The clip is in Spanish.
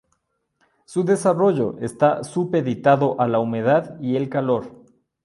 Su desarrollo está supeditado a la humedad y el calor.